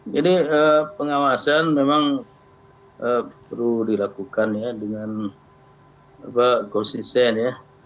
jadi pengawasan memang perlu dilakukan ya dengan konsisten ya